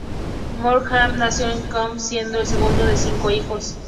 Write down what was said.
Morten Harket nació en Kongsberg siendo el segundo de cinco hijos.